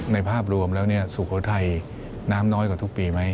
ภาพรวมแล้วสุโขทัยน้ำน้อยกว่าทุกปีไหม